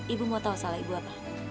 ibu mau tahu salah ibu apa